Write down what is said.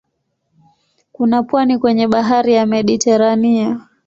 Kuna pwani kwenye bahari ya Mediteranea.